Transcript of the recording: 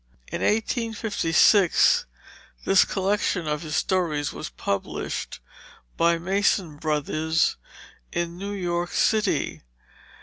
In 1856 this collection of his stories was published by Mason Brothers in New York City.